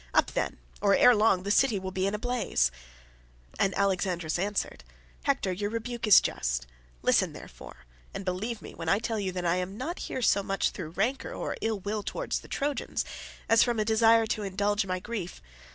Up then, or ere long the city will be in a blaze." And Alexandrus answered, "Hector, your rebuke is just; listen therefore, and believe me when I tell you that I am not here so much through rancour or ill will towards the Trojans, as from a desire to indulge my grief.